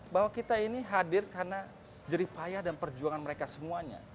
bahwa kita ini hadir karena jeripaya dan perjuangan mereka semuanya